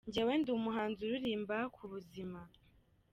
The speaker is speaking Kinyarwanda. Njyewe ndi umuhanzi uririmba ku buzima.